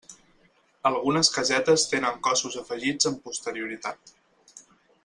Algunes casetes tenen cossos afegits amb posterioritat.